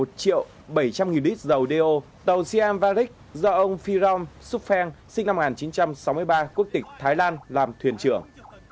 một triệu bảy trăm linh nghìn lít dầu đeo tàu siam varik do ông firom suphang sinh năm một nghìn chín trăm sáu mươi ba quốc tịch thái lan làm thuyền trưởng